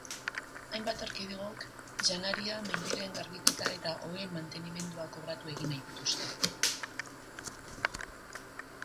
Hainbat erkidegok janaria, maindireen garbiketa eta oheen mantenimendua kobratu egin nahi dituzte.